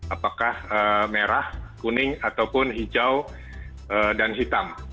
apakah merah kuning ataupun hijau dan hitam